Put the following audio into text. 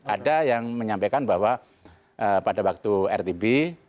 ada yang menyampaikan bahwa pada waktu rtb